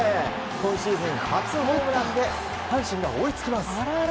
今シーズン初ホームランで阪神が追いつきます。